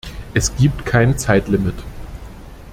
Es gibt kein Zeitlimit.